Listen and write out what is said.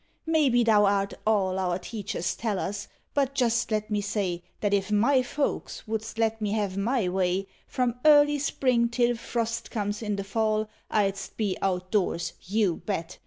Maybe them art all Our teachers tell us, but just let me say That if my folks wouldst let me have my way, From early Spring till frost comes in the Fall 1 dst be outdoors, you bet!